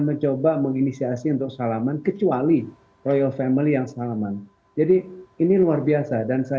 mencoba menginisiasi untuk salaman kecuali royal family yang salaman jadi ini luar biasa dan saya